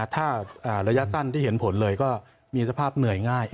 ถ้าระยะสั้นที่เห็นผลเลยก็มีสภาพเหนื่อยง่าย